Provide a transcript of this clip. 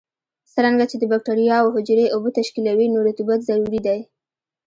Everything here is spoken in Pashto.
څرنګه چې د بکټریاوو حجرې اوبه تشکیلوي نو رطوبت ضروري دی.